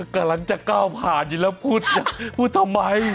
กำลังจะก้าวผ่านอยู่แล้วพูดพูดทำไม